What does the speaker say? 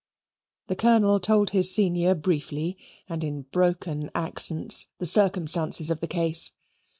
The Colonel told his senior briefly, and in broken accents, the circumstances of the case.